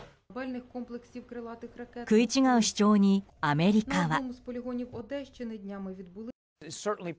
食い違う主張にアメリカは。